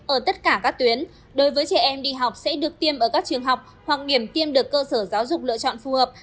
ở tất cả các tuyến đối với trẻ em đi học sẽ được tiêm ở các trường học hoặc điểm tiêm được cơ sở giáo dục lựa chọn phù hợp